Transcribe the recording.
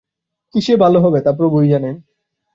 কিসে ভাল হবে, তা প্রভুই জানেন।